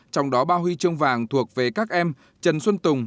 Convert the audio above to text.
trong đó ba huy chương vàng thuộc về các em trần xuân tùng